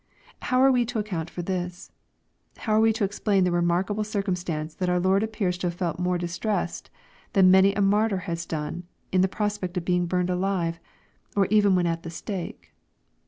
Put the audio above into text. How are we to account for this ? How are we to explain the remarkable circumstance that our Lord appears to have felt more distressed than many a martyr has done in the prospect of being burned alive, or even when at the stake.